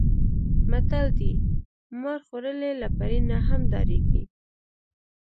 متل دی: مار خوړلی له پړي نه هم ډارېږي.